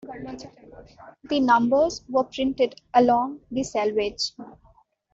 The numbers were printed along the selvage.